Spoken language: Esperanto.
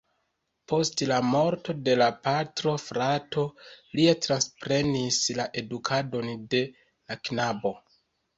Post la morto de la patro frato lia transprenis la edukadon de la knabo.